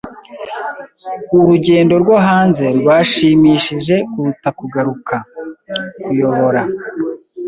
Urugendo rwo hanze rwashimishije kuruta kugaruka. (_kuyobora)